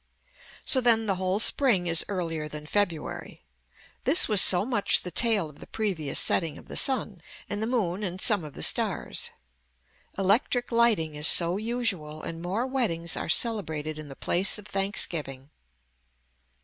So then the whole spring is earlier than February. This was so much the tail of the previous setting of the sun and the moon and some of the stars. Electric lighting is so usual and more weddings are celebrated in the place of thanksgiving.